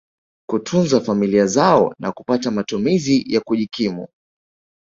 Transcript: kutunza familia zao na kupata matumizi ya kujikimu